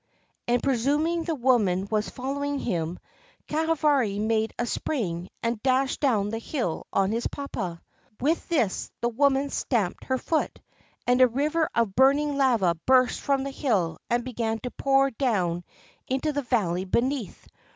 And, presuming the woman was following him, Kahavari made a spring and dashed down the hill on his papa. With this the woman stamped her foot, and a river of burning lava burst from the hill and began to pour down into the valley beneath.